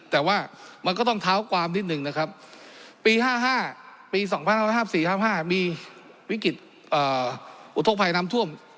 แต่ว่ามันก็ต้องเท้าความนิดนึงนะครับปี๕๕ปี๒๕๕๔๕๕มีวิกฤตอุทธกภัยน้ำท่วม